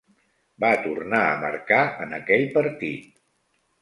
Va tornar a marcar en aquell partit.